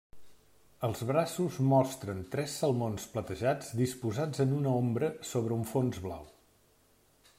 Els braços mostren tres salmons platejats disposats en una ombra sobre un fons blau.